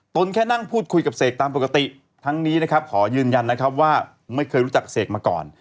แค่นั่งพูดคุยกับเสกตามปกติทั้งนี้นะครับขอยืนยันนะครับว่าไม่เคยรู้จักเสกมาก่อน